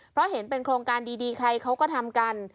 เพราะเห็นเป็นโครงการดีใครเขาก็ทำกัน